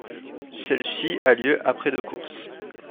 Celle-ci a lieu après de course.